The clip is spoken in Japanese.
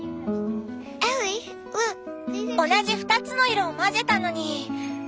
同じ２つの色を混ぜたのに。